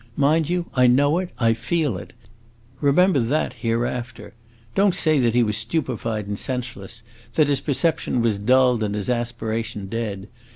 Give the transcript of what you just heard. Mind you, I know it, I feel it! Remember that hereafter. Don't say that he was stupefied and senseless; that his perception was dulled and his aspiration dead.